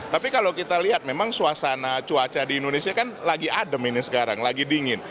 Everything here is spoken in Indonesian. tapi kalau kita lihat memang suasana cuaca di indonesia kan lagi adem ini sekarang lagi dingin